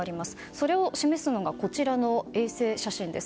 それを示すのがこちらの衛星写真です。